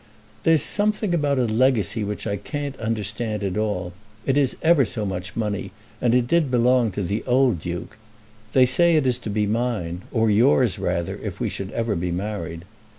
"There's something about a legacy which I can't understand at all. It is ever so much money, and it did belong to the old Duke. They say it is to be mine, or yours rather, if we should ever be married.